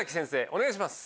お願いします。